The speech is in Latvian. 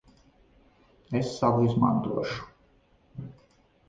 Es savu izmantošu.